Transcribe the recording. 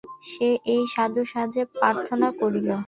সে ঐ সাধুর সাহায্য প্রার্থনা করিল।